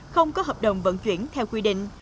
không có hợp đồng vận chuyển theo quy định